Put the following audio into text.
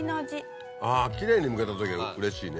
きれいにむけた時うれしいね。